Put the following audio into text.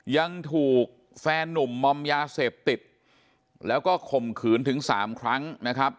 ยังถูกแฟนนุ่มมอมยาเสพติดแล้วก็ข่มขืนถึงสามครั้งนะครับ